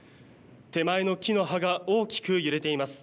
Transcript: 手前の木の葉が大きく揺れています。